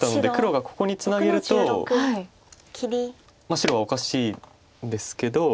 白はおかしいんですけど。